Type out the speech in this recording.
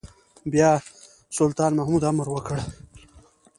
بيا سلطان محمود امر وکړ.